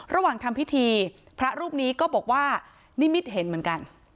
ระหว่างทำพิธีพระรูปนี้ก็บอกว่านิมิตเห็นเหมือนกัน